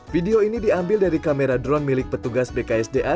video ini diambil dari kamera drone milik petugas bksda